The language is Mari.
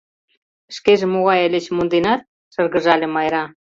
— Шкеже могай ыльыч, монденат? — шыргыжале Майра.